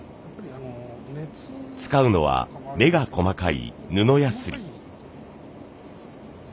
使うのは目が細かい布やすり。